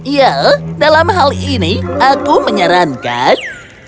ya dalam hal ini aku menyarankan